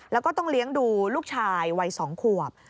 แล้วก็ต้องเลี้ยงดูลูกชายวัย๒ขวบ